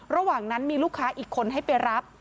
ระหว่างนั้นมีลูกค้าอีกคนให้ไปรับ